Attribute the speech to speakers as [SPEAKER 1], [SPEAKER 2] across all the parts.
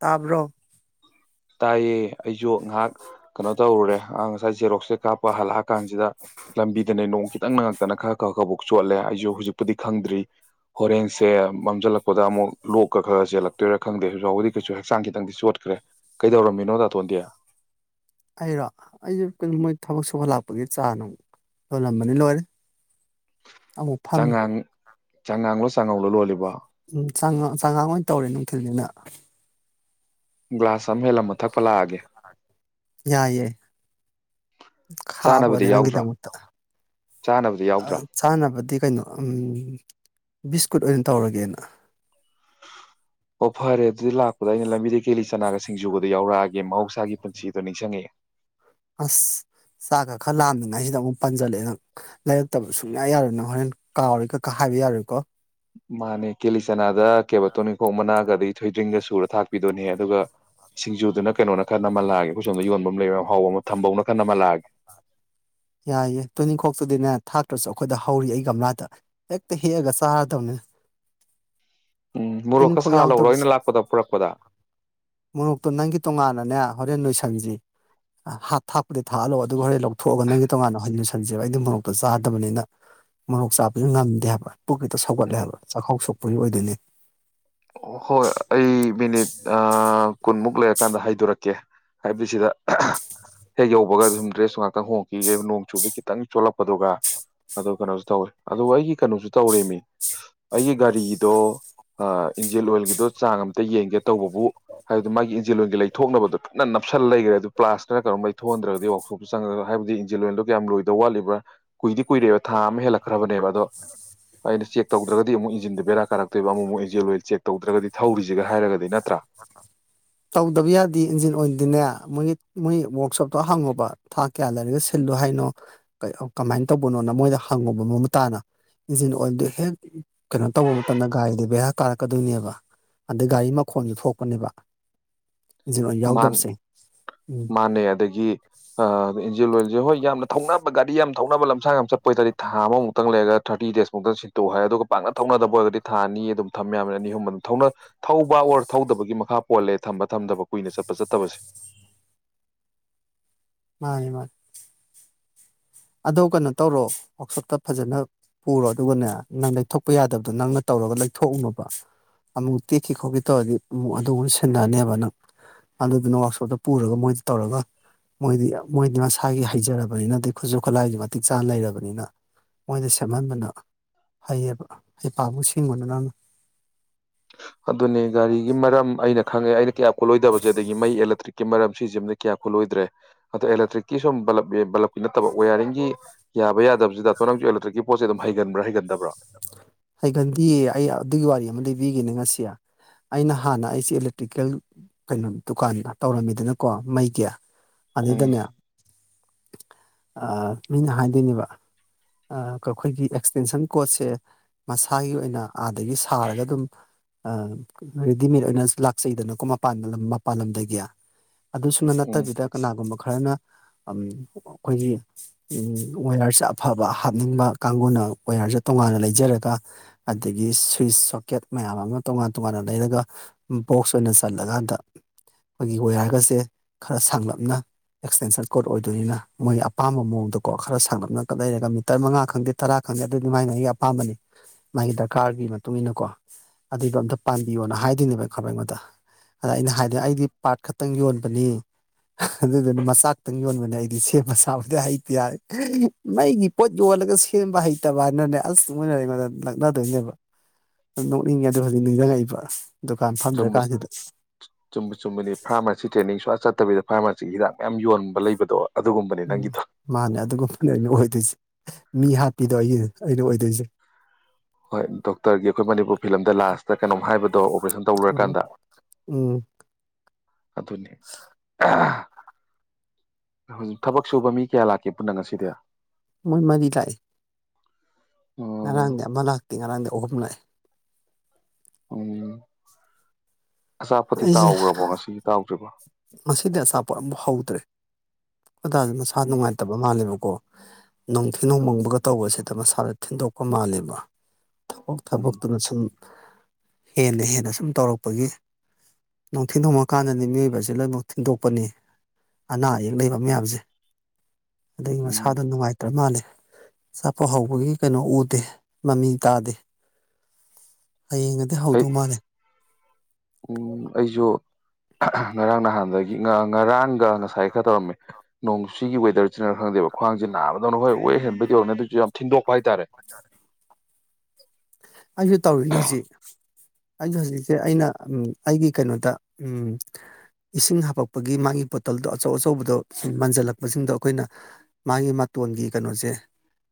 [SPEAKER 1] ꯇꯥꯕ꯭ꯔꯣ
[SPEAKER 2] ꯇꯥꯏꯌꯦ ꯑꯩꯁꯨ ꯉꯥꯏꯍꯥꯛ ꯀꯩꯅꯣ ꯇꯧꯔꯨꯔꯦ ꯑ ꯉꯁꯥꯏ ꯖꯦꯔꯣꯛꯁꯦ ꯀꯥꯞꯄ ꯍꯜꯂꯛꯑ ꯀꯥꯟꯁꯤꯗ ꯂꯝꯕꯤꯗꯅꯦ ꯅꯣꯡ ꯈꯤꯇꯪꯅꯉꯛꯇꯅ ꯈꯔ ꯈꯔ ꯈꯔꯕꯧꯛ ꯆꯣꯠꯂꯦ ꯑꯩꯁꯨ ꯍꯧꯖꯤꯛꯄꯨꯗꯤ ꯈꯪꯗ꯭ꯔꯤ ꯍꯣꯔꯦꯟꯁꯦ ꯃꯝꯁꯤꯜꯂꯛꯄꯗ ꯑꯃꯨꯛ ꯂꯣꯛ ꯀ ꯈꯔ ꯆꯦꯜꯂꯛꯇꯣꯏꯔꯥ ꯈꯪꯗꯦ ꯍꯧꯖꯤ ꯐꯥꯎꯕꯗꯤ ꯀꯩꯁꯨ ꯍꯛꯆꯥꯡ ꯈꯤꯇꯪꯗꯤ ꯆꯣꯠꯈ꯭ꯔꯦ ꯀꯩꯗꯧꯔꯝꯃꯤꯅꯣ ꯇꯥꯇꯣꯟꯗꯦ
[SPEAKER 1] ꯑꯩꯔꯣ ꯑꯩꯁꯨꯦ ꯃꯣꯏ ꯊꯕꯛ ꯁꯨꯍꯠꯂꯛꯄꯒꯤ ꯆꯥꯡ ꯛ ꯂꯣꯜꯂꯝꯕꯅꯤ ꯂꯣꯏꯔꯦ ꯑꯃꯨꯛ ꯐꯝꯃꯤ
[SPEAKER 2] ꯆꯪꯉꯥꯡꯂꯣ ꯁꯉꯧꯂꯣ ꯂꯣꯜꯂꯤꯕ
[SPEAKER 1] ꯎꯝ ꯆꯉ ꯆꯉꯥꯡ ꯑꯣꯏꯅ ꯇꯧꯔꯦ ꯅꯨꯡꯊꯤꯜꯅꯤꯅ
[SPEAKER 2] ꯒ꯭ꯂꯥꯁ ꯆꯝ ꯍꯦꯜꯂꯝꯃꯣ ꯊꯛꯄ ꯂꯥꯛꯑꯒꯦ
[SPEAKER 1] ꯈꯥꯕꯅꯦ
[SPEAKER 2] ꯆꯥꯅꯕꯗꯤ ꯌꯥꯎꯗ꯭ꯔꯥ
[SPEAKER 1] ꯅꯪꯒꯤꯗꯃꯛꯇ
[SPEAKER 2] ꯆꯥꯅꯕꯗꯤ ꯌꯥꯎꯗ꯭ꯔꯥ
[SPEAKER 1] ꯆꯥꯅꯕꯗꯤ ꯀꯩꯅꯣ ꯕꯤꯁꯀꯨꯠ ꯑꯣꯏꯅ ꯇꯧꯔꯒꯦꯅ
[SPEAKER 2] ꯑꯣ ꯐꯔꯦ ꯑꯗꯨꯗꯥ ꯂꯥ ꯗ ꯑꯩꯅ ꯂꯝꯕꯤꯗ ꯀꯦꯂꯤ ꯆꯅꯥꯒ ꯁꯤꯡꯖꯨꯕꯗ ꯌꯥꯎꯔꯛꯑꯒꯦ ꯃꯍꯧꯁꯥꯒꯤ ꯄꯨꯟꯁꯤꯗꯣ ꯅꯤꯡꯁꯤꯡꯉꯑꯦ
[SPEAKER 1] ꯑꯁ ꯆꯥꯛ ꯈ ꯈꯔ ꯂꯥꯝꯗꯉꯥꯏꯁꯤꯗ ꯑꯃꯨꯛ ꯄꯟꯖꯜꯂꯛꯑꯦ ꯅꯪ ꯂꯩꯔꯛꯇꯕ ꯁꯨꯡꯌꯥ ꯌꯥꯔꯣꯏ ꯅꯪ ꯍꯣꯔꯦꯟ ꯀꯥꯎꯔꯤ ꯀꯀꯥ ꯍꯥꯏꯕ ꯌꯥꯔꯣꯏꯀꯣ
[SPEAKER 2] ꯃꯥꯅꯦ ꯀꯦꯂꯤꯆꯅꯥꯗ ꯀꯦꯕꯇꯣ ꯏꯈꯣꯛ ꯃꯅꯥꯒ ꯑꯩ ꯊꯣꯏꯗ꯭ꯔꯤꯡꯒ ꯁꯨꯔ ꯊꯥꯛꯄꯤꯗꯣꯏꯅꯦ ꯑꯗꯨꯒ ꯁꯤꯡꯖꯨꯗꯨꯅ ꯀꯩꯅꯣꯅ ꯈꯟ ꯅꯝꯃꯟꯂꯛꯑꯒꯦ ꯑꯩꯈꯣꯏ ꯁꯣꯝꯗ ꯌꯣꯟꯐꯝ ꯑꯃ ꯂꯩꯕ ꯍꯥꯎꯕ ꯑꯃ ꯊꯝꯕꯧꯅ ꯈꯟ ꯑꯃ ꯂꯥꯛꯑꯒꯦ
[SPEAKER 1] ꯌꯥꯏꯌꯦ ꯇꯨꯅꯤꯡꯈꯣꯛꯇꯨꯗꯤꯅꯦ ꯊꯥꯛꯇ꯭ꯔꯁꯨ ꯑꯩꯈꯣꯏꯗ ꯍꯧꯔꯤ ꯑꯩ ꯒꯝꯂꯥꯗ ꯍꯦꯛꯇ ꯍꯦꯛꯑꯒ ꯆꯥꯔꯗꯕꯅꯦ
[SPEAKER 2] ꯎꯝ ꯃꯣꯔꯣꯛꯀ
[SPEAKER 1] ꯅꯤꯡꯈꯣꯛ
[SPEAKER 2] ꯁꯥꯍꯜ ꯂꯧꯔꯣ ꯑꯩꯅ
[SPEAKER 1] ꯌꯥꯎꯗꯕꯁ
[SPEAKER 2] ꯂꯥꯛꯄꯗ ꯄꯨꯔꯛꯄꯗ
[SPEAKER 1] ꯃꯣꯔꯣꯛꯇꯣ ꯅꯪꯒꯤ ꯇꯣꯉꯥꯟꯅꯅꯦ ꯍꯣꯔꯦꯟ ꯅꯣꯏꯁꯟꯖꯤ ꯍꯥꯠ ꯊꯥꯛꯄꯗꯤ ꯊꯥꯛꯍꯜꯂꯣ ꯑꯗꯨꯒ ꯍꯣꯔꯦꯟ ꯂꯧ ꯊꯣꯛꯒꯅ ꯍꯟ ꯂꯁꯤꯟꯁꯦꯕ ꯑꯩ ꯑꯗꯨ ꯃꯣꯔꯣꯛꯇ ꯆꯥꯗꯕꯅꯤꯅ ꯃꯣꯔꯣꯛ ꯆꯥꯕꯁꯨ ꯉꯝꯗꯦ ꯍꯥꯏꯕ ꯄꯨꯛ ꯍꯦꯠꯇ ꯁꯧꯒꯠꯂꯦ ꯍꯥꯏꯕ ꯆꯥꯛꯈꯥꯎ ꯁꯣꯛꯄꯩ ꯑꯣꯏꯗꯣꯏꯅꯦ
[SPEAKER 2] ꯍꯣꯏ ꯑꯩ ꯃꯤꯅꯤꯠ ꯀꯨꯟꯃꯨꯛ ꯂꯩꯔꯀꯥꯟꯗ ꯍꯥꯏꯗꯣꯔꯛꯀꯦ ꯍꯥꯏꯕꯤ ꯁꯤꯗ ꯍꯦꯛ ꯌꯧꯕꯒ ꯑꯗꯨꯝ ꯗ꯭ꯔꯦꯁ ꯈꯤꯇꯪ ꯍꯣꯡꯈꯤꯒꯦ ꯅꯣꯡ ꯆꯨꯕꯒꯤ ꯈꯤꯇꯪ ꯆꯣꯠꯂꯛꯄꯗꯨꯒ ꯑꯗꯨ ꯀꯩꯅꯣꯁꯨ ꯇꯧꯏ ꯑꯗꯨꯒ ꯑꯩꯒꯤ ꯀꯩꯅꯣꯁꯨ ꯇꯧꯔꯤꯃꯤ ꯑꯩꯒꯤ ꯒꯥꯔꯤꯗꯣ ꯏꯟꯖꯤꯜ ꯑꯣꯏꯒꯤꯗꯣ ꯆꯥꯡ ꯑꯃꯝꯇ ꯌꯦꯡꯒꯦ ꯇꯧꯕꯕꯨ ꯍꯥꯏꯕꯗꯤ ꯃꯥꯒꯤ ꯏꯟꯖꯦꯜ ꯑꯣꯏꯒꯤ ꯂꯩꯊꯣꯛꯅꯕꯗꯣ ꯐꯖ ꯅꯞꯁꯜ ꯂꯩꯈ꯭ꯔꯦ ꯑꯗꯨ ꯄ꯭ꯂꯥꯁꯇꯅ ꯀꯩꯅꯣꯝ ꯂꯩꯣꯛꯍꯟꯗ꯭ꯔꯒꯗꯤ ꯋꯥꯛꯁꯣꯞꯁꯤ ꯆꯪꯉꯒ ꯍꯥꯏꯕꯗꯤ ꯏꯟꯖꯦꯜ ꯑꯣꯏꯜꯗꯣ ꯀꯌꯥꯝ ꯂꯣꯏꯗ ꯋꯥꯠꯂꯤꯕ꯭ꯔꯥ ꯀꯨꯏꯗꯤ ꯀꯨꯏꯔꯦꯕ ꯊꯥ ꯑꯃ ꯍꯦꯜꯂꯛꯈ꯭ꯔꯕꯅꯦꯕ ꯑꯗꯣ ꯑꯩꯅ ꯆꯦꯛ ꯇꯧꯗ꯭ꯔꯒꯗꯤ ꯑꯃꯨꯛ ꯏꯟꯖꯤꯟꯗ ꯕꯦꯔꯥ ꯀꯥꯔꯛꯇꯣꯏꯕ ꯑꯃꯨꯛ ꯑꯃꯛ ꯏꯟꯖꯦꯜ ꯑꯣꯏ ꯆꯦꯛ ꯇꯧꯗ꯭ꯔꯒꯗꯤ ꯊꯧꯔꯤꯁꯤꯒ ꯍꯥꯏꯔꯒꯗꯤ ꯅꯠꯇ꯭ꯔꯥ
[SPEAKER 1] ꯇꯧꯗꯕ ꯌꯥꯗꯦ ꯏꯟꯖꯤꯟ ꯑꯣꯏꯗꯤꯅꯦ ꯃꯣꯏꯒꯤ ꯃꯣꯏ ꯋꯔꯥꯛꯛꯁꯣꯞꯇꯣ ꯍꯪꯉꯨꯕ ꯊꯥ ꯀꯌꯥ ꯂꯩꯔꯒ ꯁꯤꯜꯂꯣ ꯍꯥꯏꯅꯣ ꯀꯃꯥꯏꯅ ꯇꯧꯕꯅꯣꯅ ꯃꯣꯏꯗ ꯍꯪꯉꯨꯕ ꯃꯃꯨꯠ ꯇꯥꯅ ꯏꯟꯖꯤꯟ ꯑꯣꯏꯗꯨ ꯍꯦꯛ ꯀꯩꯅꯣ ꯇꯧꯕ ꯃꯇꯝꯗ ꯒꯥꯔꯤꯗꯨ ꯕꯦꯔꯥ ꯀꯥꯔꯛꯀꯗꯣꯏꯅꯦꯕ ꯑꯗꯩ ꯒꯥꯔꯤ ꯃꯈꯣꯟꯁꯨ ꯊꯣꯛꯄꯅꯦꯕ ꯏꯟꯖꯤꯟ ꯑꯣꯏꯜ
[SPEAKER 2] ꯃꯥꯟ
[SPEAKER 1] ꯌꯥꯎꯗꯕꯁꯦ ꯎꯝ
[SPEAKER 2] ꯃꯥꯟꯅꯦ ꯑꯗꯒꯤ ꯑ ꯏ ꯖꯤꯜ ꯑꯣꯢꯜꯁꯦ ꯍꯣꯏ ꯌꯥꯝꯅ ꯊꯧꯅꯕ ꯒꯥꯔꯤ ꯌꯥꯝ ꯊꯧꯅꯕ ꯂꯝꯁꯥꯡ ꯌꯥꯝ ꯆꯠꯄ ꯑꯣꯏꯇꯥꯔꯗꯤ ꯊꯥ ꯑꯃꯃꯨꯛꯇꯪ ꯂꯩꯔꯒ ꯊꯥꯔꯇꯤ ꯗꯦꯖꯃꯨꯛꯇ ꯁꯤꯟꯇꯣꯛ ꯍꯥꯏꯔꯦ ꯑꯗꯨꯒ ꯄꯥꯛꯅ ꯊꯧꯅꯗꯕ ꯑꯣꯏꯔꯒꯗꯤ ꯊꯥ ꯑꯅꯤ ꯑꯗꯨꯝ ꯊꯝ ꯌꯥꯕꯅꯦ ꯑꯅꯤ ꯑꯍꯨꯝꯕ ꯑꯗꯨꯝ ꯊꯧꯕ ꯑꯣꯔ ꯊꯧꯗꯕꯒꯤ ꯃꯈꯥ ꯄꯣꯜꯂꯦ ꯊꯝꯕ ꯊꯝꯗꯕ ꯀꯨꯏꯅ ꯆꯠꯄ ꯆꯠꯇꯕꯁꯦ
[SPEAKER 1] ꯃꯥꯅꯦ ꯃꯥꯅꯤ ꯑꯗꯣ ꯀꯩꯅꯣ ꯇꯧꯔꯣ ꯋꯔꯥꯛꯁꯣꯞꯇ ꯐꯖꯅ ꯄꯨꯔꯣ ꯑꯗꯨꯒꯅꯦ ꯅꯪ ꯂꯩꯊꯣꯛꯄ ꯌꯥꯗꯕꯗꯣ ꯅꯪꯅ ꯇꯧꯔꯒ ꯂꯩꯊꯣꯛꯎꯅꯣꯕ ꯑꯃꯨꯛ ꯇꯦꯛꯈꯤ ꯈꯣꯠꯈꯤ ꯇꯧꯔꯗꯤ ꯑꯃꯨꯛ ꯑꯗꯨꯒꯨꯝ ꯁꯤꯟꯅꯅꯦꯕ ꯅꯪ ꯑꯗꯨꯗꯨꯅ ꯋꯔꯥꯛꯁꯣꯞꯇ ꯄꯨꯔꯒ ꯃꯣꯏꯗ ꯇꯧꯔꯒ ꯃꯣꯏꯗꯤ ꯃꯣꯏꯗꯤ ꯃꯁꯥꯒꯤ ꯍꯩꯖꯔꯕꯅꯤꯅꯗꯤ ꯈꯨꯠꯁꯨ ꯈꯨꯠꯂꯥꯏꯒꯤ ꯃꯇꯤꯛ ꯆꯥꯅ ꯂꯩꯔꯕꯅꯤꯅ ꯃꯣꯏꯗ ꯁꯦꯝꯍꯟꯕꯅ ꯍꯩꯌꯦꯕ ꯍꯩꯄꯥꯃꯨꯛ ꯁꯤꯡꯉꯨꯅꯨ ꯅꯪꯅ
[SPEAKER 2] ꯑꯗꯨꯅꯦ ꯒꯥꯔꯤꯒꯤ ꯃꯔꯝ ꯑꯩꯅ ꯈꯪꯉꯦ ꯑꯩꯅ ꯀꯌꯥ ꯀꯣꯠꯂꯣꯏꯗꯕꯁꯦ ꯑꯗꯒꯤ ꯃꯩꯂꯛꯇ꯭ꯔꯤꯛꯀꯤ ꯃꯔꯝ ꯁꯤꯖꯤꯃꯗꯤ ꯀꯌꯥ ꯈꯨꯠꯂꯣꯏꯗ꯭ꯔꯦ ꯑꯗꯣ ꯑꯦꯂꯦꯛꯇ꯭ꯔꯤꯛꯀꯤ ꯁꯨꯝ ꯕꯂꯞ ꯕꯂꯞꯀꯤ ꯅꯠꯇꯕ ꯋꯌꯥꯔꯤꯡꯒꯤ ꯌꯥꯕ ꯌꯥꯗꯕꯁꯤꯗ ꯑꯣ ꯅꯪꯁꯨ ꯑꯦꯂꯦꯛꯇ꯭ꯔꯤꯛꯀꯤ ꯄꯣꯠꯁꯦ ꯑꯗꯨꯝ ꯍꯩꯒꯟꯕ꯭ꯔꯥ ꯍꯩꯒꯟꯗꯕ꯭ꯔ
[SPEAKER 1] ꯍꯩꯒꯟꯗꯦꯌꯦ ꯑꯩ ꯑꯗꯨꯒꯤ ꯋꯥꯔꯤ ꯑꯃ ꯂꯩ ꯄꯕꯤꯒꯅꯦ ꯉꯁꯤ ꯑꯩꯅ ꯍꯥꯟꯅ ꯑꯩꯁꯦ ꯏꯂꯦꯛꯇ꯭ꯔꯤꯀꯦꯜ ꯀꯩꯅꯣ ꯗꯨꯀꯥꯟ ꯇꯧꯔꯝꯃꯤꯗꯅꯀꯣ ꯃꯩꯒꯤ
[SPEAKER 2] ꯎꯝ
[SPEAKER 1] ꯑꯗꯩꯗꯅꯦ ꯃꯤꯅ ꯍꯥꯏꯗꯣꯏꯅꯦꯕ ꯑꯩꯈꯣꯏꯒꯤ ꯑꯦꯛꯁꯇꯦꯟꯁꯟ ꯀꯣꯠꯁꯦ ꯃꯁꯥꯒꯤ ꯑꯣꯏꯅ ꯑꯥꯗꯒꯤ ꯁꯥꯔꯒ ꯑꯗꯨꯝ ꯔꯦꯗꯤꯃꯦꯗ ꯑꯣꯏꯅ ꯂꯥꯛꯆꯩꯗꯅꯀꯣ ꯃꯄꯥꯟ ꯃꯄꯥꯟ ꯂꯝꯗꯒꯤ ꯑꯗꯨꯁꯨꯛꯅꯠ
[SPEAKER 2] ꯎꯝ
[SPEAKER 1] ꯅꯠꯇꯕꯤꯗ ꯀꯅꯥꯒꯨꯝꯕ ꯈꯔꯅ ꯑꯩꯈꯣꯏꯒꯤ ꯋꯦꯌꯥꯔꯁꯦ ꯑꯐꯕ ꯍꯥꯞꯅꯤꯡꯕ ꯀꯥꯡꯒꯅ ꯋꯦꯌꯔꯁꯦ ꯇꯣꯉꯥꯟꯅ ꯂꯩꯖꯔꯒ ꯑꯗꯒꯤ ꯁ꯭ꯋꯤꯁ ꯁꯣꯀꯦꯠ ꯃꯌꯥꯝ ꯑꯃ ꯇꯣꯉꯥꯟ ꯇꯣꯉꯥꯟꯅ ꯂꯩꯔꯒ ꯕꯣꯛꯁ ꯑꯣꯏꯅ ꯆꯜꯂꯀꯥꯟꯗ ꯑꯩꯈꯣꯏꯒꯤ ꯋꯦꯌꯔꯒꯁꯦ ꯈꯔ ꯁꯥꯡꯂꯞꯅ ꯑꯦꯛꯁꯇꯦꯟꯁꯟ ꯀꯣꯗ ꯑꯣꯏꯗꯣꯏꯅꯤꯅ ꯃꯣꯏꯒꯤ ꯑꯄꯥꯝꯕ ꯃꯑꯣꯡꯗꯀꯣ ꯈꯔ ꯁꯥꯡꯂꯞꯅ ꯂꯩꯔꯒ ꯃꯤꯇꯔ ꯃꯉꯥ ꯈꯪꯗꯦ ꯇꯔꯥ ꯈꯪꯗꯦ ꯑꯗꯨꯗꯤ ꯃꯥꯏꯅ ꯑꯩꯒꯤ ꯑꯄꯥꯝꯕꯅꯤ ꯃꯥꯒꯤ ꯗꯔꯀꯥꯔꯒꯤ ꯃꯇꯨꯡ ꯏꯟꯅꯀꯣ ꯑꯗꯨꯏꯗꯣ ꯑꯝꯇ ꯄꯥꯟꯕꯤꯌꯣꯅ ꯍꯥꯏꯗꯣꯏꯅꯦꯕ ꯈꯔ ꯑꯩꯉꯣꯟꯗ ꯑꯗ ꯑꯩꯅ ꯍꯥꯏꯗꯅ ꯑꯩꯗꯤ ꯄꯥꯔꯠ ꯈꯛꯇꯪ ꯌꯣꯟꯕꯅꯤ ꯑꯗꯨꯗꯨꯅ ꯃꯆꯥ ꯈꯛꯇꯪ ꯌꯣꯟꯕꯅꯤ ꯑꯩꯗꯤ ꯁꯦꯝꯕ ꯁꯥꯕꯗꯤ ꯍꯩꯗꯤ ꯌꯥꯔꯦ ꯃꯩꯒꯤ ꯄꯣꯠ ꯌꯣꯜꯂꯒ ꯁꯦꯝꯕ ꯍꯩꯇꯕ ꯍꯥꯏꯅꯅꯦ ꯑꯁꯅꯉꯣꯟꯗ ꯅꯛꯅꯗꯣꯏꯅꯦꯕ ꯅꯣꯛꯅꯤꯡꯉꯦ ꯑꯗꯣ ꯍꯧꯖꯤꯛ ꯅꯤꯡꯁꯤꯡꯉꯛꯏꯕ ꯗꯨꯀꯥꯟ
[SPEAKER 2] ꯆꯨꯝꯕ
[SPEAKER 1] ꯐꯝꯗ꯭ꯔꯀꯥꯟꯁꯤꯗ
[SPEAKER 2] ꯅꯠꯇꯕꯤꯗ ꯐꯥꯔꯃꯥꯁꯤꯒꯤ ꯍꯤꯗꯥꯛ ꯃꯌꯥꯝ ꯌꯣꯟꯕ ꯂꯩꯕꯗꯣ ꯑꯗꯨꯒꯨꯝꯕꯅꯤ
[SPEAKER 1] ꯎꯝ
[SPEAKER 2] ꯅꯪꯒꯤꯗꯣ
[SPEAKER 1] ꯃꯥꯅꯦ ꯑꯗꯨꯒ ꯑꯣꯏꯗꯣꯏꯁꯦ ꯃꯤ ꯍꯥ ꯄꯤꯗ ꯑꯩꯅꯦ ꯑꯩꯅ ꯑꯣꯏꯗꯣꯏꯁꯦ
[SPEAKER 2] ꯍꯣꯏ ꯗꯣꯛꯇꯔꯒꯤ ꯑꯩꯈꯣꯏ ꯃꯅꯤꯄꯨꯔ ꯐꯤꯂꯝꯗ ꯂꯥꯁꯇ ꯀꯩꯅꯣꯝ ꯍꯥꯏꯕꯗꯣ ꯑꯣꯄꯔꯦꯁꯟ
[SPEAKER 1] ꯎꯝ
[SPEAKER 2] ꯇꯧꯔꯨꯔꯀꯥꯟꯗ
[SPEAKER 1] ꯎꯝ
[SPEAKER 2] ꯑꯗꯨꯅꯦ ꯍꯧꯖꯤꯛ ꯊꯕꯛ ꯁꯨꯕ ꯃꯤ ꯀꯌꯥ ꯂꯥꯛꯀꯦ ꯄꯨꯟꯅ ꯉꯁꯤꯗꯤ
[SPEAKER 1] ꯃꯣꯏꯃꯗꯤ ꯏ ꯂꯥꯏ
[SPEAKER 2] ꯎꯝ
[SPEAKER 1] ꯉꯔꯥꯡꯗꯤ ꯑꯃ ꯂꯥꯛꯇꯦ ꯉꯔꯥꯡꯗꯤ ꯑꯍꯨꯝ ꯂꯥꯛꯑꯦ
[SPEAKER 2] ꯎꯝ ꯑꯆꯥꯄꯣꯠꯇꯤ
[SPEAKER 1] ꯑꯩꯁꯦ
[SPEAKER 2] ꯇꯥꯎꯈ꯭ꯔꯕꯣ ꯉꯁꯤꯒꯤ ꯇꯥꯎꯗ꯭ꯔꯤꯕꯣ
[SPEAKER 1] ꯉꯗꯤ ꯑꯆꯥꯄꯣꯠ ꯑꯃꯐꯥꯎ ꯍꯧꯗ꯭ꯔꯦ ꯑꯣꯗꯥꯗ ꯃꯁꯥ
[SPEAKER 2] ꯎꯝ
[SPEAKER 1] ꯅꯨꯡꯉꯥꯏꯇꯕ ꯃꯥꯜꯂꯦꯕꯀꯣ ꯅꯣꯡꯊꯤ ꯅꯣꯡ ꯃꯪꯕꯒ ꯇꯧꯕꯁꯤꯗ ꯃꯁꯥꯅ ꯊꯤꯟꯗꯣꯛꯄ ꯃꯥꯜꯂꯦꯕ ꯊꯕꯛ ꯊꯥꯕꯛꯇꯨꯅ ꯁꯨꯝ ꯍꯦꯟꯅ ꯍꯦꯟꯅ ꯁꯨꯝ ꯇꯧꯔꯛꯄꯒꯤ ꯅꯨꯡꯊꯤꯟ ꯊꯣꯡꯉꯀꯥꯟꯗꯗꯤ ꯃꯤꯑꯣꯏꯕꯁꯦ ꯂꯣꯏꯅꯃꯛ ꯊꯤꯟꯗꯣꯛꯄꯅꯤ ꯑꯅꯥ ꯑꯌꯦꯛ ꯂꯩꯕ ꯃꯌꯥꯝꯁꯦ ꯑꯗꯨꯒꯤ ꯃꯁꯥꯗꯣ
[SPEAKER 2] ꯎꯝ
[SPEAKER 1] ꯅꯨꯡꯉꯥꯏꯇ꯭ꯔ ꯃꯥꯜꯂꯦ ꯆꯥꯛꯄ ꯍꯧꯕꯒꯤ ꯀꯩꯅꯣ ꯎꯗꯦ ꯃꯃꯤ ꯇꯥꯗꯦ ꯍꯌꯦꯡꯉꯗꯤ
[SPEAKER 2] ꯑꯩ
[SPEAKER 1] ꯍꯧꯗꯧ ꯃꯥꯜꯂꯦ
[SPEAKER 2] ꯎꯝ ꯑꯩꯁꯨ ꯉꯔꯥꯡ ꯅꯍꯥꯟꯗꯒꯤ ꯉꯔꯥꯡꯒ ꯉꯁꯥꯏ ꯈꯔ ꯇꯧꯔꯝꯃꯦ ꯅꯣꯡꯁꯤꯒꯤ ꯋꯦꯗꯔꯁꯤꯅꯔ ꯈꯪꯗꯦꯕ ꯈ꯭ꯋꯥꯡꯁꯦ ꯅꯥꯕꯗꯧꯅ ꯍꯣꯏ ꯋꯦꯔ ꯍꯦꯟꯕꯩ ꯌꯧꯔꯅꯦ ꯑꯗꯨꯁꯨ ꯌꯥꯝ ꯊꯤꯟꯗꯣꯛ ꯄꯥꯏꯇꯥꯔꯦ
[SPEAKER 1] ꯑꯩꯁꯨ ꯇꯧꯔꯤꯅꯦ ꯍꯧꯖꯤꯛ ꯑꯩꯁꯨ ꯍꯧꯖꯤꯛꯁꯦ ꯑꯩꯅ ꯑꯩꯒꯤ ꯀꯩꯅꯣꯗ ꯎ ꯏꯁꯤꯡ ꯍꯥꯄꯛꯄꯒꯤ ꯃꯥꯒꯤ ꯕꯣꯇꯜꯗꯣ ꯑꯆꯧ ꯑꯆꯧꯕꯗꯣ ꯃꯟꯖꯜꯂꯛꯄꯁꯤꯡꯗꯣ ꯑꯩꯈꯣꯏꯅ ꯃꯥꯒꯤ ꯃꯇꯣꯟꯒꯤ ꯀꯩꯅꯣꯁꯦ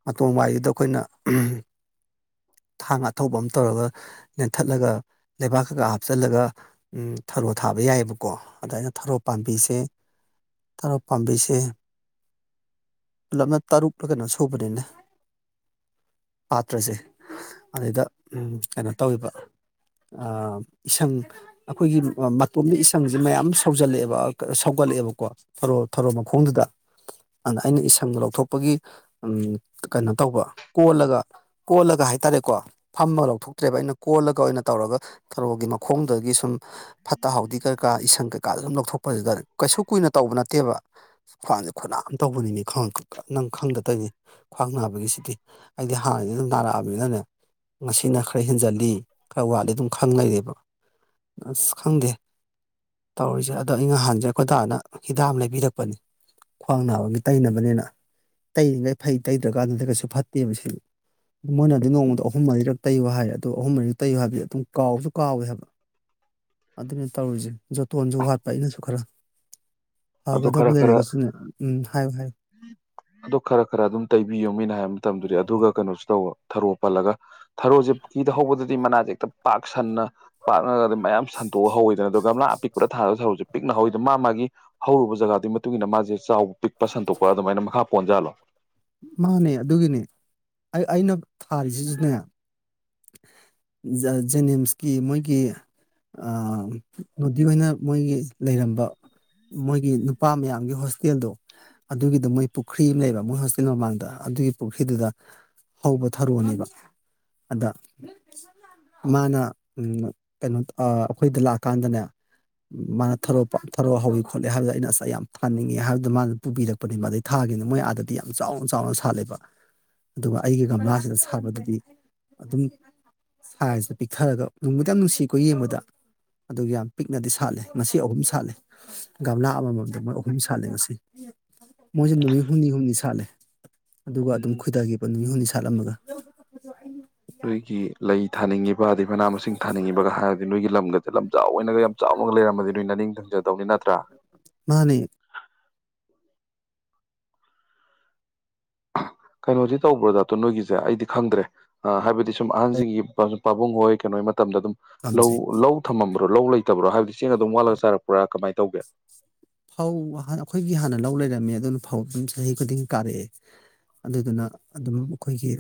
[SPEAKER 1] ꯃꯇꯣꯟ ꯋꯥꯏꯗꯨꯗ ꯑꯩꯈꯣꯏꯅ ꯊꯥꯡ ꯑꯊꯧꯕ ꯑꯃ ꯇꯧꯔꯒ ꯂꯦꯟꯊꯠꯂꯒ ꯂꯩꯕꯥꯛ ꯀꯀꯥ ꯍꯥꯞꯆꯤꯜꯂꯒ ꯊꯔꯣ ꯊꯥꯕ ꯌꯥꯏꯑꯕꯀꯣ ꯑꯗꯨ ꯑꯩꯅ ꯊꯔꯣ ꯄꯥꯝꯕꯤꯁꯦ ꯊꯔꯣ ꯄꯥꯝꯕꯤꯁꯦ ꯄꯨꯂꯞꯅ ꯇꯔꯨꯛꯂ ꯀꯩꯅꯣ ꯁꯨꯕꯅꯤꯅ ꯄꯥꯇ꯭ꯔꯁꯦ ꯑꯗꯨꯗ ꯀꯩꯅꯣ ꯇꯧꯕ ꯏꯁꯪ ꯑꯩꯈꯣꯏꯒꯤ ꯃꯇꯣꯝꯕꯤ ꯏꯁꯪꯁꯦ ꯃꯌꯥꯝ ꯁꯧꯖꯜꯂꯛꯑꯦꯕ ꯁꯧꯒꯠꯂꯛꯑꯦꯕꯀꯣ ꯊꯔꯣ ꯃꯈꯣꯡꯗꯨꯗ ꯑꯗꯨꯗ ꯑꯩꯅ ꯏꯁꯪ ꯂꯧꯊꯣꯛꯄꯒꯤ ꯀꯩꯅꯣ ꯇꯧꯕ ꯀꯣꯜꯂꯒ ꯀꯣꯜꯂꯒ ꯍꯥꯏ ꯍꯥꯏꯔꯦꯀꯣ ꯐꯝꯃ ꯂꯧꯊꯣꯛꯇ꯭ꯔꯦꯕ ꯑꯩꯅ ꯀꯣꯜꯂꯒ ꯑꯣꯏꯅ ꯇꯧꯔꯒ ꯊꯔꯣꯒꯤ ꯃꯈꯣꯡꯗꯒꯤ ꯁꯨꯝ ꯐꯠꯇ ꯍꯥꯎꯊꯤ ꯀꯩꯀꯥ ꯏꯁꯪ ꯀꯩꯀꯥ ꯁꯨꯝ ꯂꯧꯊꯣꯛꯄ ꯍꯥꯏꯔ ꯀꯩꯁꯨ ꯀꯨꯏꯅ ꯇꯧꯕ ꯅꯠꯇꯦꯕ ꯈ꯭ꯋꯥꯡꯁꯦ ꯈꯨꯅꯥ ꯑꯃ ꯇꯧꯕꯅꯤ ꯅꯪ ꯈꯪꯗ ꯇꯣꯏꯅꯤ ꯈ꯭ꯋꯥꯡ ꯅꯥꯕꯒꯤꯁꯤꯗꯤ ꯑꯩꯗꯤ ꯍꯥꯟꯅꯩ ꯅꯥꯔꯛꯑ ꯑꯗꯨꯅꯅꯦ ꯉꯁꯤꯅ ꯈꯔ ꯍꯦꯟꯖꯜꯂꯤ ꯈꯔ ꯋꯥꯠꯂꯤ ꯑꯗꯨꯝ ꯈꯪꯅꯔꯕ ꯑꯁ ꯈꯪꯗꯦ ꯇꯧꯔꯤꯁꯦ ꯑꯗꯣ ꯑꯩ ꯅꯍꯥꯟꯁꯦ ꯑꯩꯈꯣꯏꯇꯥꯅ ꯍꯤꯗꯝ ꯂꯩꯕꯤꯔꯛꯄꯅꯤ ꯈ꯭ꯋꯥꯡ ꯅꯥꯕꯒꯤ ꯇꯩꯅꯅꯕꯅꯤꯅ ꯇꯩꯔꯤꯉꯩ ꯐꯩ ꯇꯩꯗ꯭ꯔꯀꯥꯟꯗꯨꯗ ꯀꯩꯁꯨ ꯐꯠꯇꯦꯕ ꯁꯤ ꯃꯣꯏꯅ ꯑꯗꯨ ꯅꯣꯡꯃꯗ ꯑꯍꯨꯝ ꯃꯔꯤꯔꯛ ꯇꯩꯌꯨ ꯍꯥꯏ ꯑꯗꯣ ꯑꯍꯨꯝ ꯃꯔꯤꯁꯨ ꯇꯩꯌꯨ ꯍꯥꯏꯕꯗꯤ ꯑꯗꯨꯝ ꯀꯥꯎꯕꯁꯨ ꯀꯥꯎꯋꯦ ꯍꯥꯏꯕ ꯑꯗꯨꯅ ꯇꯧꯔꯤꯁꯦ ꯖꯣꯇꯣꯟꯁꯨ ꯋꯥꯠꯄ ꯑꯩꯅꯁꯨ ꯈꯔ
[SPEAKER 2] ꯑꯗꯨ
[SPEAKER 1] ꯐꯒꯗꯕ
[SPEAKER 2] ꯈꯔ ꯈꯔ
[SPEAKER 1] ꯂꯩꯔꯒꯁꯨꯅꯦ ꯎꯝ ꯍꯥꯏꯌꯨ ꯍꯥꯏꯌꯨ
[SPEAKER 2] ꯑꯗꯨ ꯈꯔ ꯈꯔ ꯑꯗꯨꯝ ꯇꯩꯕꯤꯌꯣ ꯃꯤꯅ ꯍꯥꯏꯕ ꯃꯇꯝꯝꯗꯗꯤ ꯑꯗꯨꯒ ꯀꯩꯅꯣꯁꯨ ꯇꯧꯕ ꯊꯔꯣ ꯄꯜꯂꯒ ꯊꯔꯣꯁꯦ ꯄꯨꯀꯤꯗ ꯍꯧꯕꯗꯗꯤ ꯃꯅꯥꯁꯦ ꯍꯦꯛꯇ ꯄꯥꯛꯁꯟꯅ ꯄꯥꯛꯅꯒ ꯑꯗꯨꯝ ꯃꯌꯥꯝ ꯁꯟꯇꯣꯛꯍꯧꯋꯗꯅ ꯑꯗꯨꯒꯒ ꯃꯥ ꯑꯄꯤꯛꯄꯗꯥꯔꯁꯦ ꯄꯤꯛꯅ ꯍꯧꯋꯏꯗꯣ ꯃꯥ ꯃꯥꯒꯤ ꯍꯧꯔꯨꯕ ꯖꯒꯥꯗꯨꯒꯤ ꯃꯇꯨꯡ ꯏꯟꯅ ꯃꯥꯁꯦ ꯆꯥꯎꯕ ꯄꯤꯛꯄ ꯁꯟꯇꯣꯛꯄ ꯑꯗꯨꯃꯥꯏꯅ ꯃꯈꯥ ꯄꯣꯟꯖꯥꯜꯂꯣ
[SPEAKER 1] ꯃꯥꯅꯦ ꯑꯗꯨꯒꯤꯅꯦ ꯑꯩ ꯑꯩꯅ ꯊꯥꯔꯤꯁꯤꯁꯤꯅꯦ ꯖꯦꯅꯤꯝꯁꯀꯤ ꯃꯣꯏꯒꯤ ꯅꯨꯣꯗꯤ ꯑꯣꯏꯅ ꯃꯣꯏꯒꯤ ꯂꯩꯔꯝꯕ ꯃꯣꯏꯒꯤ ꯅꯨꯄꯥ ꯃꯌꯥꯝꯒꯤ ꯍꯣꯁꯇꯦꯜꯗꯣ ꯑꯗꯨꯒꯤꯗꯣ ꯃꯣꯏ ꯄꯨꯈ꯭ꯔꯤ ꯑꯃ ꯂꯩꯕ ꯃꯣꯏ ꯍꯣꯁꯇꯦꯜ ꯃꯃꯥꯡꯗ ꯑꯗꯨꯒꯤ ꯄꯨꯈ꯭ꯔꯤꯗꯨꯗ ꯍꯧꯕ ꯊꯧꯔꯣꯅꯦꯕ ꯑꯗ ꯃꯥꯅ ꯀꯩꯅꯣ ꯑꯩꯈꯣꯏꯗ ꯂꯥꯛꯀꯥꯟꯗꯅꯦ ꯃꯥꯅ ꯊꯔꯣ ꯊꯔꯣ ꯍꯧꯋꯤ ꯈꯣꯠꯂꯤꯦ ꯍꯥꯏꯕꯗ ꯑꯩꯅ ꯑꯁ ꯌꯥꯝ ꯊꯥꯅꯤꯡꯉꯦ ꯍꯥꯏꯕꯗ ꯃꯥꯅ ꯄꯨꯕꯤꯔꯛꯄꯅꯤ ꯃꯥꯗꯩ ꯊꯥꯒꯅ ꯃꯣꯏ ꯑꯥꯗꯗꯤ ꯌꯥꯝ ꯆꯥꯎꯅ ꯆꯥꯎꯅ ꯁꯥꯠꯂꯦꯕ ꯑꯗꯨꯒ ꯑꯩꯒꯤ ꯒꯝꯂꯥꯁꯤꯗ ꯁꯥꯕꯗꯗꯤ ꯑꯗꯨꯝ ꯁꯥꯏꯖꯇ ꯄꯤꯛꯊꯔꯒ ꯅꯅꯨꯡꯃꯗꯤ ꯌꯥꯝ ꯅꯨꯡꯁꯤꯀꯣ ꯌꯦꯡꯕꯗ ꯑꯗꯨ ꯌꯥꯝ ꯄꯤꯛꯅꯗꯤ ꯁꯥꯠꯂꯦ ꯉꯁꯤ ꯑꯍꯨꯝ ꯁꯥꯠꯂꯦ ꯒꯝꯂꯥ ꯑꯃꯃꯝꯗ ꯃꯣꯏ ꯑꯍꯨꯝ ꯁꯥꯠꯂꯦ ꯉꯁꯤ ꯃꯣꯏꯁꯨ ꯅꯨꯃꯤꯠ ꯍꯨꯝꯅꯤ ꯍꯨꯝꯅꯤ ꯁꯥꯠꯂꯦ ꯑꯗꯨꯒ ꯑꯗꯨꯝ
[SPEAKER 2] ꯎꯝ
[SPEAKER 1] ꯈꯣꯏꯗꯥ ꯄ ꯅꯨꯃꯤꯅꯤꯠ ꯍꯨꯝꯅꯤ ꯁꯥꯠꯂꯝꯃꯒ
[SPEAKER 2] ꯑꯩꯏꯒꯤ ꯂꯩ ꯊꯥꯅꯤꯡꯉꯤꯕ ꯃꯅꯥ ꯃꯁꯤꯡ ꯊꯥꯅꯤꯡꯉꯤꯕꯒ ꯍꯥꯏꯔꯗꯤ ꯅꯣꯏꯒꯤ ꯂꯝꯒꯗ ꯁ ꯂꯝꯆꯥꯎ ꯑꯣꯏꯅꯒ ꯌꯥꯝ ꯆꯥꯎꯅꯒ ꯂꯩꯔꯃꯗꯤ ꯅꯣꯏ ꯅ ꯅꯤꯡ ꯊꯪꯖꯔꯦ
[SPEAKER 1] ꯃꯥꯅꯤ
[SPEAKER 2] ꯀꯩꯅꯣꯗꯤ ꯇꯧꯕ꯭ꯔꯣꯗꯣ ꯅꯣꯏꯒꯤꯁꯦ ꯑꯩꯗꯤ ꯈꯪꯗ꯭ꯔꯦ ꯍꯥꯏꯕꯗꯤ ꯁꯨꯝ ꯑꯍꯟꯁꯤꯡꯒꯤ ꯄꯥꯕꯨꯡ ꯍꯣꯏ ꯀꯩꯅꯣꯣꯏ ꯃꯇꯝꯗ ꯑꯗꯨꯝ ꯂꯧ
[SPEAKER 1] ꯄꯥꯝꯖꯩ
[SPEAKER 2] ꯂꯧ ꯊꯝꯃꯝꯕ ꯂꯧ ꯂꯩꯇꯕ꯭ꯔꯣ ꯍꯥꯏꯕꯗꯤꯕꯁꯤ ꯆꯁꯤꯡ ꯑꯗꯨꯝ ꯋꯥꯠꯂꯒ ꯁꯥꯔꯛꯄ꯭ꯔꯥ ꯀꯃꯥꯏ ꯇꯧꯒꯦ
[SPEAKER 1] ꯐꯧ ꯑꯩꯈꯣꯏꯒꯤ ꯍꯥꯟꯅ ꯂꯧ ꯂꯩꯔꯝꯃꯦ ꯑꯗꯨꯅ ꯐꯧ ꯑꯗꯨꯝ ꯆꯍꯤ ꯈꯨꯗꯤꯡꯒꯤ ꯀꯥꯔꯛꯑꯦ ꯑꯗꯨꯗꯨꯅ ꯑꯗꯨꯝ ꯑꯩꯈꯣꯏꯒꯤ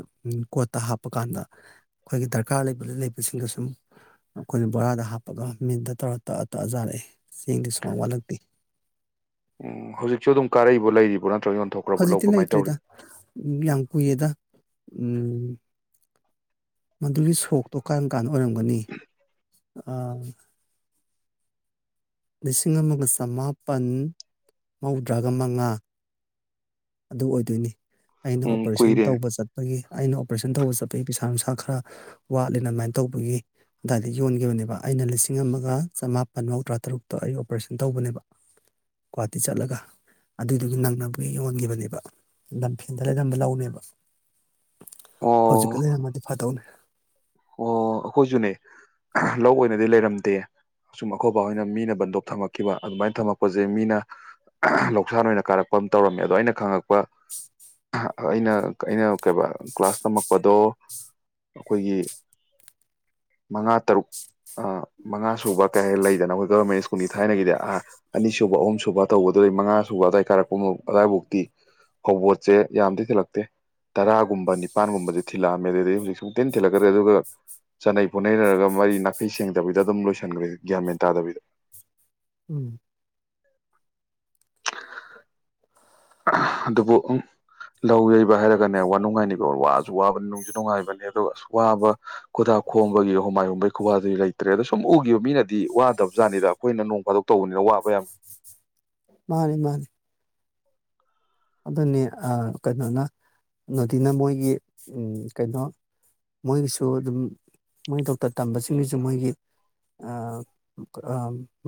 [SPEAKER 1] ꯀꯣꯠꯇ ꯍꯥꯞꯄ ꯀꯥꯟꯗ ꯑꯩꯈꯣꯏꯒꯤ ꯗꯔꯀꯥꯔ ꯂꯩꯕꯗ ꯂꯩꯕꯁꯤꯡꯗ ꯁꯨꯝ ꯑꯩꯈꯣꯏꯅ ꯕꯣꯔꯥꯗ ꯍꯥꯞꯄꯒ ꯃꯤꯟꯗ ꯇꯧꯔ ꯇꯛꯑ ꯇꯛꯑꯖꯥꯔꯛꯑꯦ ꯆꯦꯡꯗꯤ ꯁꯨꯃꯥꯡ ꯋꯥꯠꯂꯛꯇꯦ
[SPEAKER 2] ꯍꯧꯖꯤꯛꯁꯨ ꯑꯗꯨꯝ ꯀꯥꯔꯛꯏꯕꯣ ꯂꯩꯔꯤꯕꯔꯤꯕ꯭ꯔꯣ ꯅ
[SPEAKER 1] ꯍꯧꯖꯤꯛꯇꯤ ꯂꯩꯇ꯭ꯔꯤꯗ ꯌꯥꯝ ꯀꯨꯏꯌꯦꯗ ꯎꯝ ꯃꯗꯨꯒꯤ ꯁꯣꯛꯇꯣ ꯀꯔꯝ ꯀꯥꯟꯅ ꯑꯣꯏꯔꯝꯒꯅꯤ ꯑ ꯂꯤꯁꯤꯡ ꯑꯃꯒ ꯆꯃꯥꯄꯜ ꯃꯧꯗ꯭ꯔꯥꯒ ꯃꯉꯥ ꯑꯗꯨ ꯑꯣꯏꯗꯣꯏꯅꯤ ꯑꯩꯅ
[SPEAKER 2] ꯎꯝ
[SPEAKER 1] ꯑꯣꯄꯔꯦꯁꯟ
[SPEAKER 2] ꯀꯨꯏꯔꯦ
[SPEAKER 1] ꯇꯧꯕ ꯆꯠꯄꯒꯤ ꯑꯩꯅ ꯑꯣꯄꯔꯦꯁꯟ ꯇꯧꯕ ꯆꯠꯄꯒꯤ ꯄꯩꯥ ꯄꯩꯁꯥ ꯅꯨꯡꯁꯥ ꯈꯔ ꯋꯥꯠꯂꯦꯅ ꯑꯗꯨꯃꯥꯏꯅ ꯇꯧꯕꯒꯤ ꯑꯗꯨꯏꯗ ꯌꯣꯟꯈꯤꯕꯅꯦꯕ ꯑꯩꯅ ꯂꯤꯁꯤꯡ ꯑꯃꯒ ꯆꯃꯥꯄꯟ ꯃꯧꯗ꯭ꯔꯥ ꯇꯔꯨꯛꯇ ꯑꯩ ꯑꯣꯄꯔꯦꯁꯟ ꯇꯧꯕꯅꯦꯕ ꯒꯨꯍꯥꯇꯤ ꯆꯠꯂꯒ ꯑꯗꯨꯏꯗꯨꯒꯤ ꯅꯪꯅꯕꯒꯤ ꯌꯣꯟꯈꯤꯕꯅꯦ ꯅꯦ ꯂꯝꯐꯦꯟꯗ ꯂꯩꯔꯝꯕ ꯂꯧꯅꯦꯕ ꯍꯧꯖꯤꯛꯀ
[SPEAKER 2] ꯑꯣ
[SPEAKER 1] ꯂꯩꯌꯥꯝꯅꯗꯤ ꯐꯗꯧꯅꯦ
[SPEAKER 2] ꯑꯣ ꯑꯩꯈꯣꯏꯁꯨꯅꯦ ꯂꯧ ꯑꯣꯏꯅꯗꯤ ꯂꯩꯔꯝꯗꯦ ꯑꯁꯨꯝ ꯑꯩꯈꯣꯏꯕ ꯍꯣꯏꯅ ꯃꯤꯅ ꯕꯟꯗꯣꯞ ꯊꯝꯃꯛꯈꯤꯕ ꯑꯗꯨꯃꯥꯏꯅ ꯊꯝꯃꯛꯄꯁꯦ ꯃꯤꯅ ꯂꯧꯁꯥꯟ ꯑꯣꯏꯅ ꯀꯥꯔꯛꯄ ꯑꯃ ꯇꯧꯔꯝꯃꯦ ꯑꯗꯣ ꯑꯩꯅ ꯈꯪꯉꯛꯄ ꯑꯩꯅ ꯑꯩꯅ ꯀꯩ ꯀ꯭ꯂꯥꯁ ꯇꯝꯃꯛꯄꯗꯣ ꯑꯩꯈꯣꯏꯒꯤ ꯃꯉꯥ ꯇꯔꯨꯛ ꯃꯉꯥ ꯁꯨꯕ ꯀꯩ ꯍꯥꯏ ꯂꯩꯗꯅ ꯑꯩꯈꯣꯏ ꯒꯚꯔꯃꯦꯟ ꯁ꯭ꯀꯨꯜꯒꯤ ꯊꯥꯏꯅꯒꯤꯗꯤ ꯑ ꯑꯅꯤ ꯁꯕ ꯑꯍꯨꯝ ꯁꯨꯕ ꯇꯧꯕꯗꯗꯒꯤ ꯃꯉꯥ ꯁꯨꯕ ꯑꯗꯨꯋꯥꯏ ꯀꯥꯔꯛꯄ ꯑꯗꯨꯋꯥꯏꯐꯥꯎꯗꯤꯤ ꯐꯧꯕꯣꯠꯁꯦ ꯌꯥꯝꯗꯤꯤ ꯊꯤꯜꯂꯛꯇꯦ ꯇꯔꯥꯒꯨꯝꯕ ꯅꯤꯄꯜꯒꯨꯝꯕꯁꯦ ꯊꯤꯜꯂꯛꯑꯝꯃꯦ ꯑꯗꯨꯗꯒꯤ ꯍꯧꯖꯤꯛ ꯁ ꯇꯦꯟ ꯊꯤꯜꯂꯛꯀꯗ꯭ꯔꯦ ꯑꯗꯨꯒ ꯆꯠꯅꯩ ꯄꯨꯅꯩꯅꯔꯒ ꯃꯔꯤ ꯅꯥꯈꯩ ꯁꯦꯡꯗꯕꯤꯗ ꯑꯗꯨꯝ ꯂꯣꯏꯁꯤꯟꯈ꯭ꯔꯦ ꯒ꯭ꯌꯥꯃꯦꯟ ꯇꯥꯗꯕꯤꯗ
[SPEAKER 1] ꯎꯝ
[SPEAKER 2] ꯑꯗꯨꯕꯨ ꯂꯧ ꯌꯩꯕ ꯍꯥꯏꯔꯒꯅꯦ ꯋꯥ ꯅꯨꯡꯉꯥꯏꯅꯤꯀꯣ ꯋꯥꯁꯨ ꯋꯥꯕꯅꯤ ꯅꯨꯡꯁꯨ ꯅꯨꯡꯉꯥꯏꯕꯅꯤ ꯑ ꯑꯁ ꯋꯥꯕ ꯈꯨꯗꯥꯥꯛ ꯈꯣꯡꯕꯒꯤ ꯍꯨꯃꯥꯏ ꯍꯨꯝꯕꯒꯤ ꯈꯨꯋꯥꯗꯨꯗꯤ ꯂꯩꯇ꯭ꯔꯦ ꯑꯗꯣ ꯁꯨꯝ ꯎꯈꯤꯕ ꯃꯤꯅꯗꯤ ꯋꯥꯗꯕ ꯖꯥꯠꯅꯤꯗ ꯑꯩꯈꯣꯏꯅ ꯅꯣꯡ ꯐꯥꯗꯣꯛ ꯇꯧꯕꯅꯤꯅ ꯋꯥꯕ ꯌꯥꯝ
[SPEAKER 1] ꯃꯥꯅꯤ ꯃꯥꯅꯤ ꯑꯗꯨꯅꯤ ꯀꯩꯅꯣꯅ ꯅꯨꯗꯤꯅ ꯃꯣꯏꯒꯤ ꯀꯩꯅꯣ ꯃꯣꯏꯒꯤꯁꯨ ꯑꯗꯨꯝ ꯃꯣꯏ ꯗꯣꯛꯇꯔ ꯇꯝꯕꯁꯤꯡꯒꯤꯁꯨ ꯃꯣꯏꯒꯤ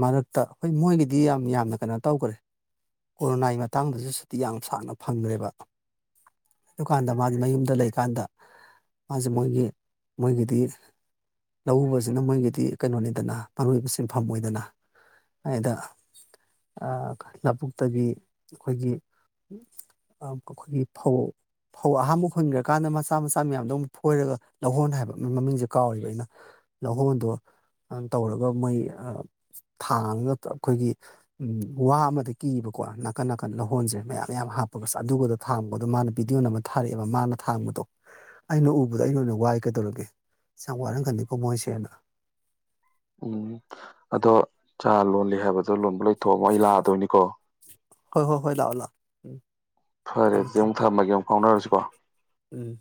[SPEAKER 1] ꯃꯔꯛꯇ ꯍꯣꯏ ꯃꯣꯏꯒꯤꯗꯤ ꯌꯥꯝ ꯌꯥꯝꯅ ꯀꯩꯅꯣ ꯇꯧꯈ꯭ꯔꯦ ꯀꯣꯔꯣꯅꯥꯒꯤ ꯃꯇꯥꯡꯗꯁꯨ ꯤ ꯌꯥꯝ ꯁꯥꯡꯅ ꯐꯪꯈ꯭ꯔꯦꯕ ꯑꯗꯨꯀꯥꯟꯗ ꯃꯥꯁ ꯃꯌꯨꯝꯗ ꯂꯩꯀꯥꯟꯗ ꯃꯥꯁꯦ ꯃꯣꯏꯒꯤ ꯃꯣꯏꯒꯤꯗꯤ ꯂꯧꯎꯕꯁꯤꯅ ꯃꯣꯏꯒꯤꯗꯤ ꯀꯩꯅꯣꯅꯤꯗꯅ ꯃꯔꯨꯣꯏꯕ ꯁꯤꯟꯐꯝ ꯑꯣꯏꯗꯅ ꯍꯥꯏꯗ ꯂꯧꯕꯨꯛꯇꯒꯤ ꯑꯩꯈꯣꯏꯒꯤ ꯑꯩꯈꯣꯏꯒꯤ ꯐꯧ ꯐꯧ ꯑꯍꯥꯝꯕ ꯍꯨꯟꯈ꯭ꯔꯀꯥꯟꯗ ꯃꯆꯥ ꯃꯆꯥ ꯃꯌꯥꯝꯗꯣ ꯑꯃꯨꯛ ꯐꯣꯏꯔꯒ ꯂꯧꯍꯣꯟ ꯍꯥꯏꯕ ꯃꯃꯤꯡꯁꯦ ꯀꯥꯎꯔꯤꯕ ꯑꯩꯅ ꯂꯧꯍꯣꯟꯗꯣ ꯇꯧꯔꯒ ꯃꯣꯏ ꯊꯥꯡꯉꯒ ꯑꯩꯈꯣꯏꯒꯤ ꯋꯥ ꯑꯃꯗ ꯀꯤꯕꯀꯣ ꯅꯥꯀꯟ ꯅꯥꯀꯟ ꯂꯧꯍꯣꯟꯁꯦ ꯃꯌꯥꯝ ꯃꯌꯥꯝ ꯍꯥꯞꯄꯒꯁꯦ ꯑꯗꯨꯒꯗ ꯊꯥꯡꯕꯗꯣ ꯃꯥꯅ ꯚꯤꯗꯤꯑꯣꯅ ꯑꯃ ꯊꯥꯔꯛꯑꯦꯕ ꯃꯥꯅ ꯊꯥꯡꯕꯗꯣ ꯑꯩꯅ ꯎꯕꯗꯣ ꯑꯩꯅ ꯑꯣꯏꯅ ꯋꯥꯏ ꯀꯩꯗꯧꯔꯒꯦ ꯁꯤ ꯌꯥꯝ ꯋꯥꯔꯝꯒꯅꯤꯀꯣ ꯃꯣꯏꯁꯦꯅ
[SPEAKER 2] ꯎꯝ ꯑꯗꯣ ꯆ ꯂꯣꯜꯂꯤ ꯍꯥꯏꯕꯗꯣ ꯂꯣꯟꯕ ꯂꯣꯏꯊꯣꯛꯑꯃꯣ ꯑꯩ ꯂꯥꯛꯑꯗꯣꯏꯅꯤꯀꯣ
[SPEAKER 1] ꯍꯣꯏ ꯍꯣꯏ ꯍꯣꯏ ꯂꯥꯛꯑꯣ ꯂꯥꯛꯑꯣ ꯎꯝ
[SPEAKER 2] ꯐꯔꯦ
[SPEAKER 1] ꯊꯝꯃꯣ
[SPEAKER 2] ꯑꯗꯨ
[SPEAKER 1] ꯊꯝꯃꯣ
[SPEAKER 2] ꯑꯃꯨꯛ ꯊꯝꯃꯒꯦ ꯑꯃꯨꯛ ꯐꯥꯎꯅꯔꯁꯤ
[SPEAKER 1] ꯎꯝ